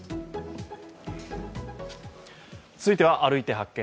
続いては「歩いて発見！